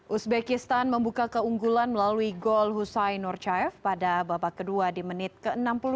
uzbekistan membuka keunggulan melalui gol hussein norcaev pada babak kedua di menit ke enam puluh delapan